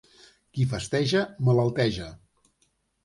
Qui festeja, malalteja.